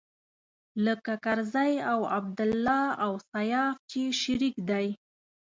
لکه کرزی او عبدالله او سياف چې شريک دی.